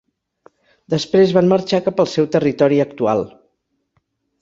Després van marxar cap al seu territori actual.